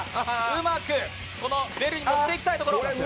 うまくベルに持っていきたいところ。